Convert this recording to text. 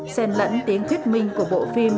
xen lẫn tiếng thuyết minh của bộ phim